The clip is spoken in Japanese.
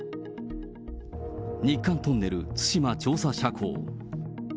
日韓トンネル対馬調査斜坑。